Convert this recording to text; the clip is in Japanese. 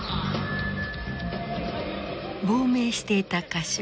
亡命していた歌手